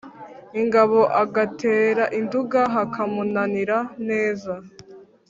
ingabo agatera i nduga hakamunanira neza.